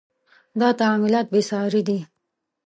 • دا تعاملات بې ساري دي.